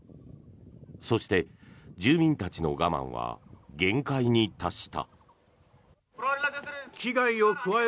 そして、住民たちの我慢は限界に達した。